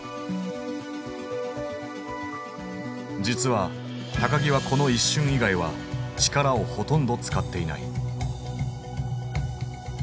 実は木はこの一瞬以外は力をほとんど使っていない。